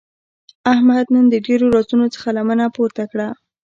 احمد نن د ډېرو رازونو څخه لمنه پورته کړه.